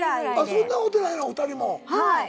そんな会うてないの２人も。